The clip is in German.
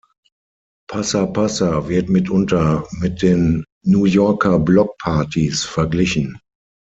Passa Passa wird mitunter mit den New Yorker Block Partys verglichen.